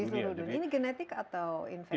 di seluruh dunia ini genetik atau investasi